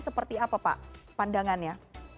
seperti apa pak pandangannya